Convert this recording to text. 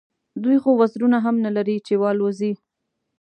دوی خو وزرونه هم نه لري چې والوزي.